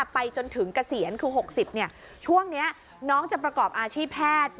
ไปจนถึงเกษียณคือ๖๐ช่วงนี้น้องจะประกอบอาชีพแพทย์